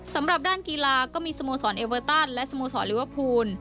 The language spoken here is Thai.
สำหรับด้านกีฬาก็มีสโมสรเอเวอร์ตันและสโมสรลิเวอร์พูล